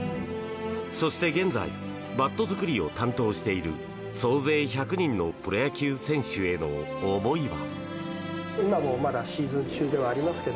そして現在バット作りを担当している総勢１００人のプロ野球選手への思いは。